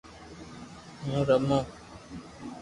ھون رمو